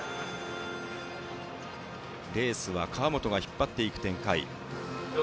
レースは川元が引っ張っていく展開。